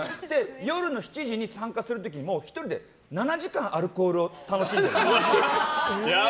夜の７時に参加する時も１人で７時間アルコールを楽しんでる。